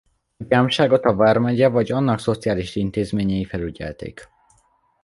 A gyámságot a vármegye vagy annak szociális intézményei felügyelték.